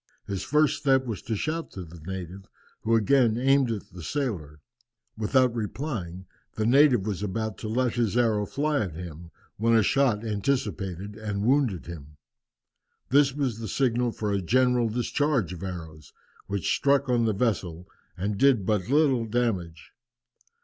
His first step was to shout to the native, who again aimed at the sailor. Without replying, the native was about to let his arrow fly at him, when a shot anticipated and wounded him. This was the signal for a general discharge of arrows, which struck on the vessel and did but little damage.